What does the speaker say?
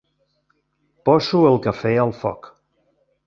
Poso el cafè al foc.